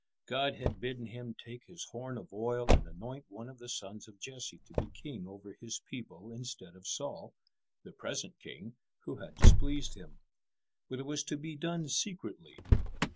God had bidden him take his horn of oil and anoint one of the sons of Jesse to be king over His people instead of Saul, the present king, who had displeased Him. But it was to be done secretly.